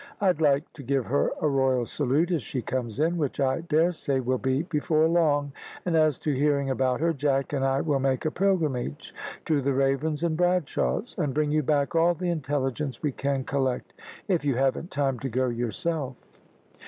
I'd like to give her a royal salute as she comes in, which I dare say will be before long; and as to hearing about her, Jack and I will make a pilgrimage to the Ravens and Bradshaws, and bring you back all the intelligence we can collect, if you haven't time to go yourself."